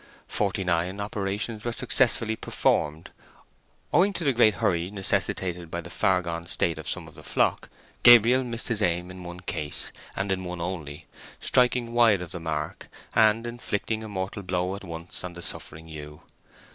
Forty nine operations were successfully performed. Owing to the great hurry necessitated by the far gone state of some of the flock, Gabriel missed his aim in one case, and in one only—striking wide of the mark, and inflicting a mortal blow at once upon the suffering ewe.